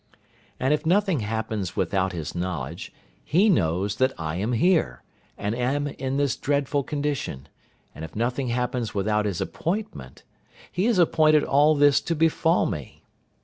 And if nothing happens without His knowledge, He knows that I am here, and am in this dreadful condition; and if nothing happens without His appointment, He has appointed all this to befall me.